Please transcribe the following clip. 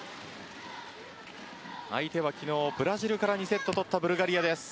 相手は昨日ブラジルから２セット取ったブルガリアです。